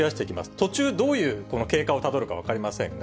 途中、どういう経過をたどるか分かりませんが。